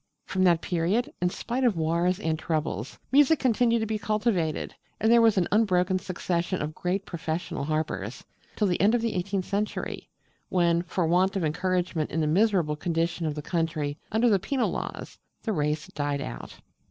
From that period, in spite of wars and troubles, music continued to be cultivated, and there was an unbroken succession of great professional harpers, till the end of the eighteenth century, when, for want of encouragement in the miserable condition of the country under the penal laws, the race died out.